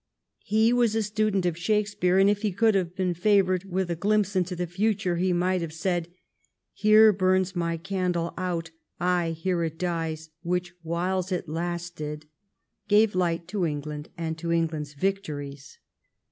He was a student of Shakespeare, and if he could have been favoured with a glimpse into the future, he might have said, ' Here burns my candle out, ay, here it dies, which, whiles it lasted,' gave light to England and to England's victories.